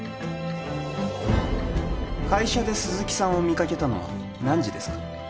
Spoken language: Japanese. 会社で鈴木さんを見かけたのは何時ですか？